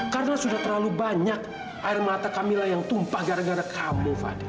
karena sudah terlalu banyak air mata kamilah yang tumpah gara gara kamu fadil